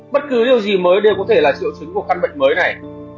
bất cứ điều gì mới đều có thể là triệu chứng của căn bệnh mới này